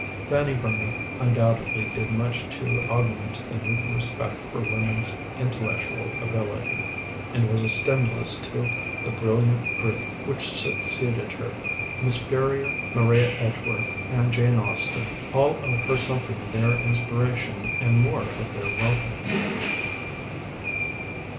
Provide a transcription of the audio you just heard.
Fanny Burney undoubtedly did much to augment the new respect for woman's intellectual ability, and was a stimulus to the brilliant group which succeeded her. Miss Ferrier, Maria Edgeworth, and Jane Austen all owe her something of their inspiration and more of their welcome.